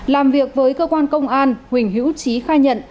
làm việc với cơ quan công an huỳnh hữu trí khai nhận